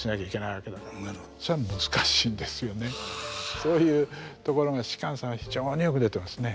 そういうところが芝さんは非常によく出てますね。